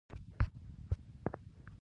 د چین نفوس په چټکۍ سره زیات شو.